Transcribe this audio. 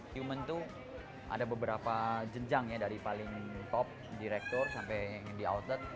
human itu ada beberapa jenjang ya dari paling top director sampai yang di outlet